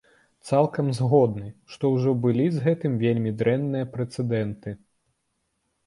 Цалкам згодны, што ўжо былі з гэтым вельмі дрэнныя прэцэдэнты.